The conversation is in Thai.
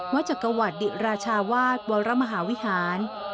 จักรวรรดิราชาวาสวรมหาวิหาร